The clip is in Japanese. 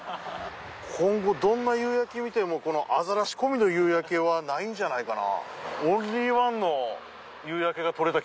今後どんな夕焼け見てもこのアザラシ込みの夕焼けはないんじゃないかな？